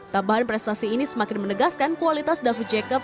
tambahan prestasi ini semakin menegaskan kualitas david jacob